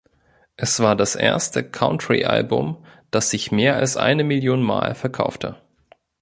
Es war das erste Country-Album, das sich mehr als eine Million Mal verkaufte.